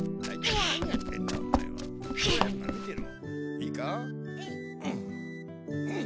いいか？